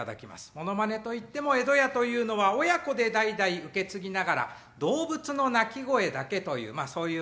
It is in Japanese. ものまねと言っても江戸家というのは親子で代々受け継ぎながら動物の鳴き声だけというまあそういう変わったところでございます。